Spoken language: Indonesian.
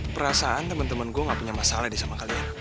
perasaan temen temen gue gak punya masalah deh sama kalian